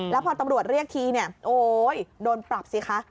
แล้วพอตำรวจเรียกทีเนี่ยโอ๊ยโดนปรับสิคะ